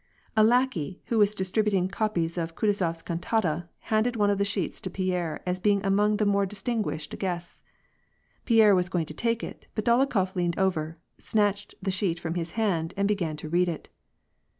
A lackey, who was distributing copies of Kutnzof s cantata, handed one of the sheets to Pierre as being among the more distinguished guests. Pierre was going to take it, but Dolo khof leaned over, snatched the sheet from his hand and began to read it.